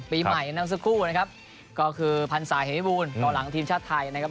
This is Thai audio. ปีใหม่นั้นซึ่งคู่นะครับก็คือผันสายเหมียบูลก่อนหลังทีมชาติไทยนะครับ